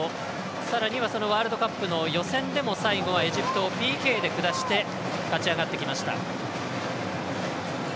さらにはワールドカップの予選でも最後はエジプトをＰＫで下して勝ち上がってきました。